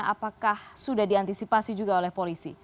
apakah sudah diantisipasi juga oleh polisi